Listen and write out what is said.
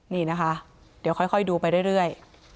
นี่นะคะเดี๋ยวค่อยดูไปเรื่อย